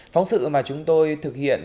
phóng sự mà chúng tôi thực hiện